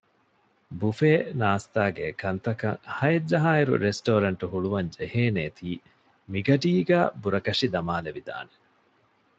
ބުފޭ ނާސްތާގެ ކަންތަކަށް ހައެއް ޖަހާއިރު ރެސްޓޯރެންޓު ހުޅުވަން ޖެހޭނޭތީ މިގަޑީގައި ބުރަކަށި ދަމާލެވިދާނެ